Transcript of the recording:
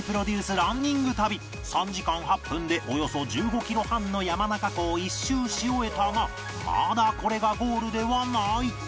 ランニング旅３時間８分でおよそ１５キロ半の山中湖を一周し終えたがまだこれがゴールではない